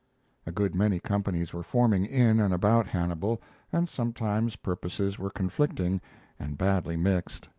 A good many companies were forming in and about Hannibal, and sometimes purposes were conflicting and badly mixed.